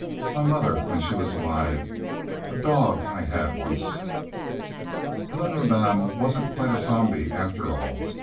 My mother when she was alive... A dog I had, once..." Helen Rodan wasn't quite a zombie, after all.